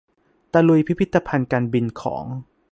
ตะลุยพิพิธภัณฑ์การบินของ